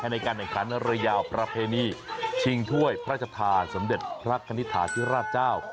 ในการแข่งขันเรือยาวประเพณีชิงถ้วยพระราชธาสมเด็จพระคณิตฐาธิราชเจ้า